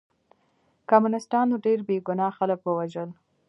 کمونستانو ډېر بې ګناه خلک ووژل